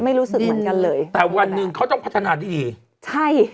ไม่รู้สึกเหมือนกันเลยแต่วันหนึ่งเขาต้องพัฒนาที่ดีใช่